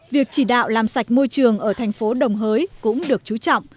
việc chỉ đạo làm sạch môi trường ở thành phố đồng hới cũng được chú trọng